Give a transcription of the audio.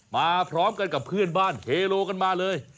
พร้อมกันกับเพื่อนบ้านเฮโลกันมาเลย